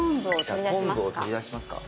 じゃあ昆布を取り出しますか。